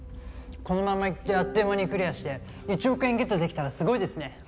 このままいってあっという間にクリアして１億円ゲットできたらすごいですね。